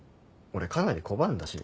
俺かなり拒んだし。